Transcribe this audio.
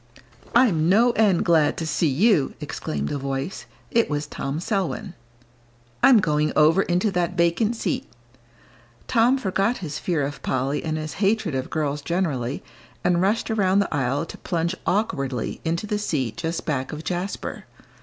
"I'm no end glad to see you!" exclaimed a voice. It was Tom Selwyn. "I'm going over into that vacant seat." Tom forgot his fear of Polly and his hatred of girls generally, and rushed around the aisle to plunge awkwardly into the seat just back of Jasper.